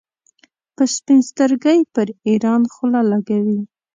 په سپین سترګۍ پر ایران خوله لګوي.